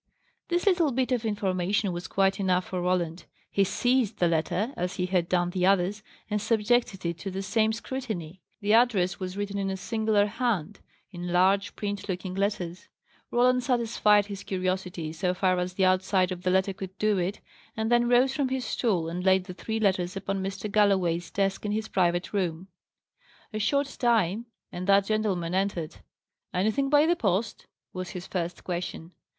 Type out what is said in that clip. This little bit of information was quite enough for Roland. He seized the letter, as he had done the others, and subjected it to the same scrutiny. The address was written in a singular hand; in large, print looking letters. Roland satisfied his curiosity, so far as the outside of the letter could do it, and then rose from his stool and laid the three letters upon Mr. Galloway's desk in his private room. A short time, and that gentleman entered. "Anything by the post?" was his first question.